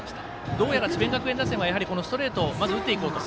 どうやら智弁学園打線はストレートを打っていこうと。